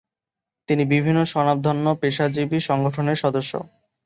তিনি বিভিন্ন স্বনামধন্য পেশাজীবী সংগঠনের সদস্য।